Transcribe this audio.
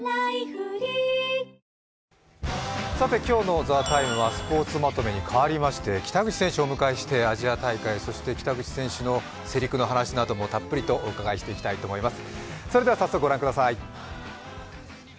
今日の「ＴＨＥＴＩＭＥ，」はスポーツまとめにかわりまして北口選手をお迎えしてアジア大会、そして北口選手の世陸の話などもたっぷりとお伺いしていきます。